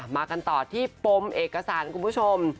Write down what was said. มากันต่อที่ปมเอกสารคุณผู้ชม